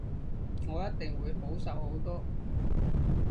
我一定會好受好多